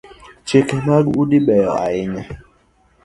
Chike mag udi beyo ahinya